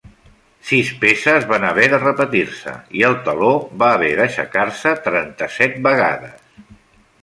Sis peces van haver de repetir-se i el teló va haver d'aixecar-se trenta-set vegades.